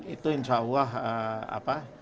itu insya allah apa